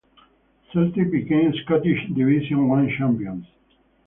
Celtic became Scottish Division One champions.